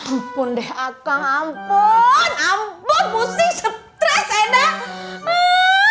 ampun deh akang ampun ampun pusing stres edah